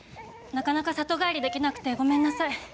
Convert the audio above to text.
なかなか里帰りできなくてごめんなさい。